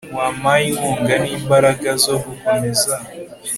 wampaye inkunga nimbaraga zo gukomeza